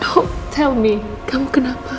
beritahu mama kamu kenapa